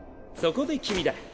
そこで君だ。